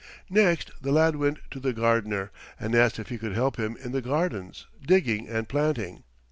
Next the lad went to the gardener and asked if he could help him in the gardens, digging and planting.